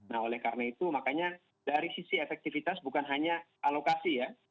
nah oleh karena itu makanya dari sisi efektivitas bukan hanya alokasi ya